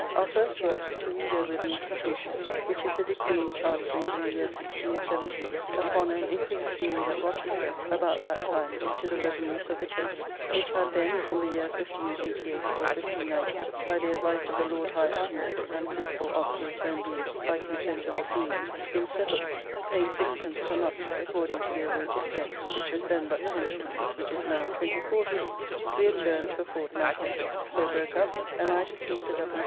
Our first work to read over the Institution, which is a decree in Chancery in the year 1617, upon an inquisition made at Rochester about that time into the revenues of the Chest, which had then, from the year 1588 or 1590, by the advice of the Lord High Admiral and principal officers then being, by consent of the seamen, been settled, paying sixpence per month, according to their wages then, which was then but 10s. which is now 24s. We adjourned to a fortnight hence. So broke up, and I to see Sir W.